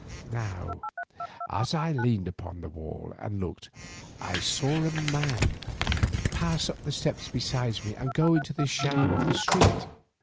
Now as I leaned upon the wall and looked, I saw a man pass up the steps beside me and go on into the shadow of the street.